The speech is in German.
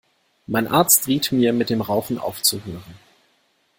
Mein Arzt riet mir, mit dem Rauchen aufzuhören.